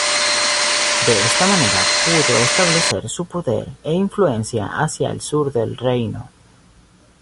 De esta manera pudo establecer su poder e influencia hacia el sur del reino.